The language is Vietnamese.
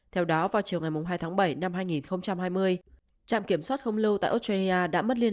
theo đó vào chiều ngày hai tháng bảy năm hai nghìn hai mươi trạm kiểm soát không lâu tại australia đã mất liên